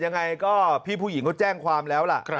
ยังไงก็พี่ผู้หญิงเขาแจ้งความแล้วล่ะ